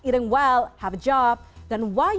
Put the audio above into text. dan maka makan dengan baik